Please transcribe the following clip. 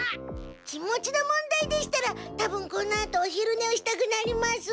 気持ちの問題でしたらたぶんこのあとお昼ねをしたくなります。